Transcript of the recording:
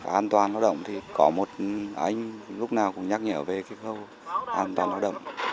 an toàn lao động thì có một anh lúc nào cũng nhắc nhở về câu an toàn lao động